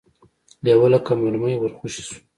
لېوه لکه مرمۍ ور خوشې شو.